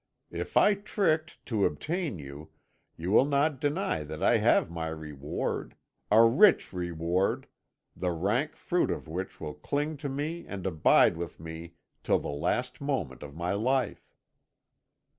If I tricked to obtain you, you will not deny that I have my reward a rich reward, the rank fruit of which will cling to me and abide with me till the last moment of my life.'